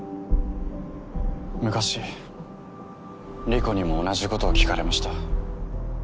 昔莉子にも同じことを聞かれました。